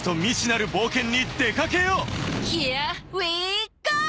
「ヒアウィーゴー！」